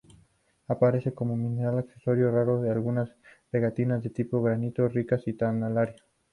Aparece como mineral accesorio raro en algunas pegmatitas de tipo granito ricas en tantalio.